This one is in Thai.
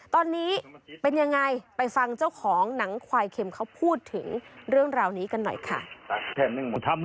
ตอนนี้เป็นยังไงไปฟังเจ้าของหนังควายเข็มเขาพูดถึงเรื่องราวนี้กันหน่อยค่ะ